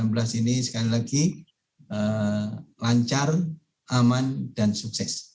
semoga pon dua ribu sembilan belas ini sekali lagi lancar aman dan sukses